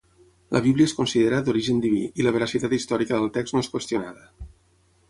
La Bíblia es considera d'origen diví, i la veracitat històrica del text no és qüestionada.